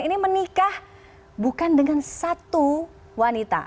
ini menikah bukan dengan satu wanita